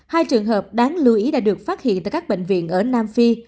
hai trường hợp đáng lưu ý đã được phát hiện tại các bệnh viện ở nam phi